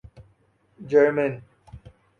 German